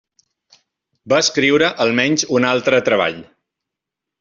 Va escriure almenys un altre treball.